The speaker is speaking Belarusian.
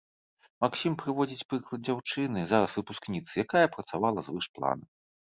Максім прыводзіць прыклад дзяўчыны, зараз выпускніцы, якая працавала звыш плана.